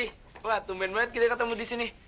weh aldi wah tumben banget kita ketemu di sini